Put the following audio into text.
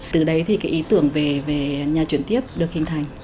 từ đấy thì cái ý tưởng về nhà chuyển tiếp được hình thành